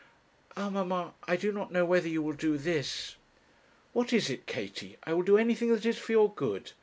'Ah, mamma, I do not know whether you will do this.' 'What is it, Katie? I will do anything that is for your good.